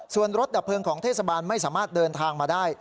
ส่วนรถดับเพลิงของเทศบาลไม่สามารถเดินทางมาได้